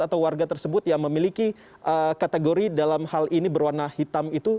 atau warga tersebut yang memiliki kategori dalam hal ini berwarna hitam itu